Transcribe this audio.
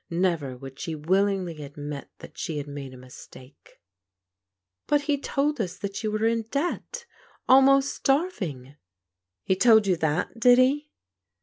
Never would she willingly admit that she had made a mistake. " But he told us that you were in debt — ^almost starv 290 PBODIGAL DAU6HTEBS «" He told you that, did he?